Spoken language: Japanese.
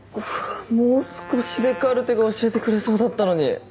もう少しでカルテが教えてくれそうだったのに。